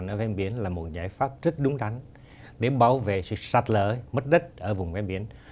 rừng ngập mặn ven biển là một giải pháp rất đúng đắn để bảo vệ sự sạt lở mất đất ở vùng ven biển